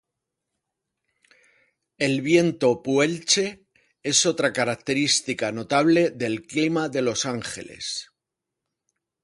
El viento Puelche es otra característica notable del clima de Los Ángeles.